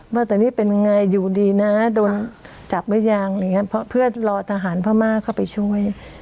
ว่าตอนนี้เป็นไงอยู่ดีนะโดนจับหรือยังอะไรอย่างนี้เพื่อรอทหารพม่าเข้าไปช่วย